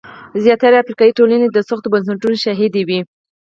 زیاتره افریقایي ټولنې د سختو بنسټونو شاهدې وې.